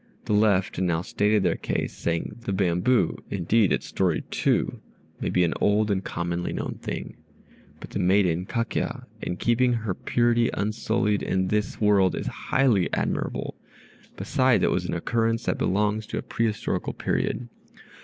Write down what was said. The left now stated their case, saying, "The bamboo indeed, its story too may be an old and commonly known thing, but the maiden Kakya, in keeping her purity unsullied in this world, is highly admirable; besides, it was an occurrence that belongs to a pre historical period.